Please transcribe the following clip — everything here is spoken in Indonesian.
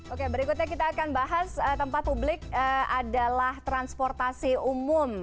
oke berikutnya kita akan bahas tempat publik adalah transportasi umum